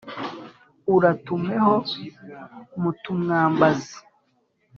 Uratumeho Mutumwambazi